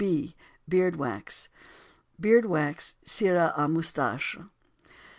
B. Beard Wax. BEARD WAX (CIRE À MOUSTACHES).